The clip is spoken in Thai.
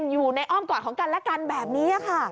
อยู่ในอ้อมกอดของกันและกันแบบนี้ค่ะ